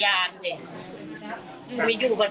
อยากให้สังคมรับรู้ด้วย